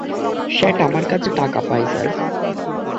শেঠ আমার কাছে টাকা পায়, স্যার।